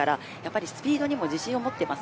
スピードにも自信を持っています